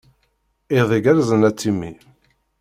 Iḍ igerrzen a Timmy.